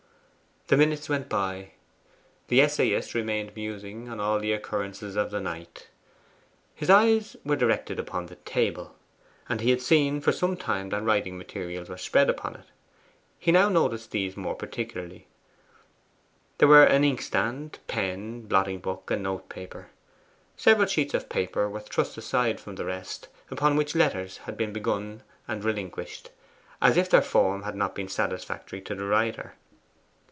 The minutes went by. The essayist remained musing on all the occurrences of the night. His eyes were directed upon the table, and he had seen for some time that writing materials were spread upon it. He now noticed these more particularly: there were an inkstand, pen, blotting book, and note paper. Several sheets of paper were thrust aside from the rest, upon which letters had been begun and relinquished, as if their form had not been satisfactory to the writer.